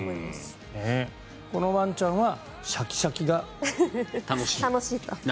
このワンちゃんはシャキシャキが楽しい。